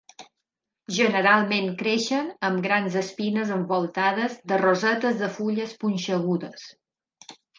Generalment creixen amb grans espines envoltades de rosetes de fulles punxegudes.